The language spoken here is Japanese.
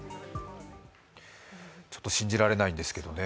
ちょっと信じられないんですけどね。